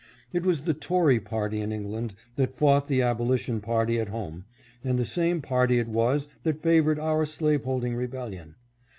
It was the tory party in England that fought the aboli* tion party at home, and the same party it was that favored our slaveholding rebellion.